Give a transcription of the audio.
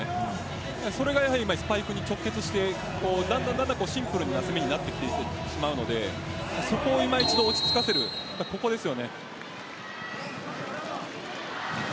それが今、スパイクに直結してだんだんシンプルになってしまうのでそこを今一度落ち着かせる、ここです。